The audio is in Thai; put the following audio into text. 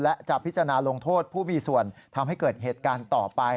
และจะพิจารณาลงโทษผู้มีส่วนทำให้เกิดเหตุการณ์ต่อไป